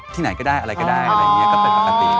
ที่ไหนก็ได้อะไรก็ได้ก็เป็นปกติ